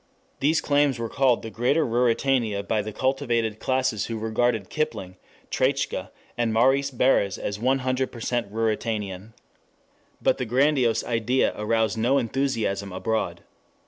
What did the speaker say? These claims were called the Greater Ruritania by the cultivated classes who regarded Kipling, Treitschke, and Maurice Barres as one hundred percent Ruritanian. But the grandiose idea aroused no enthusiasm abroad.